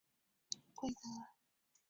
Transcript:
导演穿着白衬衫是默默无言的规则。